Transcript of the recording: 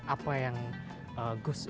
apa yang gus zaim